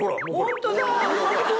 ホントだ！